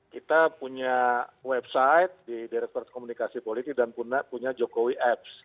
kita punya website di direktur komunikasi politik dan punya jokowi apps